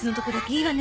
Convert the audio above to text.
いいわね？